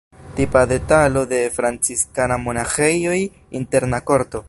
Tipa detalo de franciskanaj monaĥejoj: interna korto.